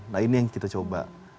nah ini yang kita coba